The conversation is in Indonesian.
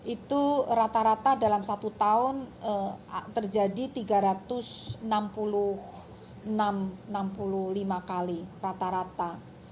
itu rata rata dalam satu tahun terjadi tiga ratus enam puluh lima kali rata rata